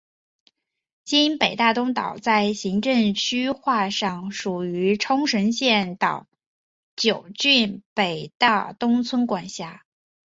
今北大东岛在行政区划上属于冲绳县岛尻郡北大东村管辖。